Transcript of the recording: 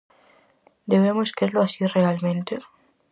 Debemos crelo así realmente?